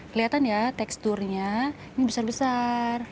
kelihatan ya teksturnya ini besar besar